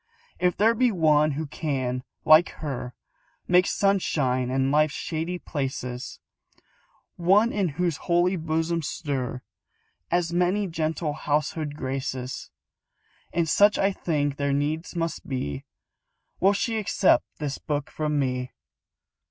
If there be one who can, like her, Make sunshine in life's shady places, One in whose holy bosom stir As many gentle household graces And such I think there needs must be Will she accept this book from me?